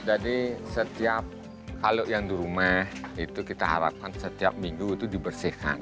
jadi setiap kalau yang di rumah itu kita harapkan setiap minggu itu dibersihkan